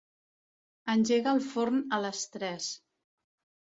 Engega el forn a les tres.